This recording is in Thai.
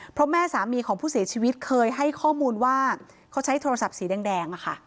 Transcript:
เพราะแม่สามีของผู้เสียชีวิตเคยให้ข้อมูลว่าเขาใช้โทรศัพท์สีแดง